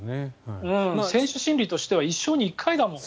選手心理としては一生に一回だもん。